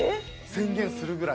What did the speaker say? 宣言するぐらい。